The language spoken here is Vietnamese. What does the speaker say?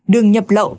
đường nhập lậu